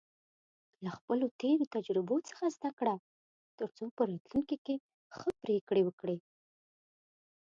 له خپلو تېرو تجربو څخه زده کړه، ترڅو په راتلونکي کې ښه پریکړې وکړې.